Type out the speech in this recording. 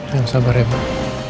yang sabar ya pak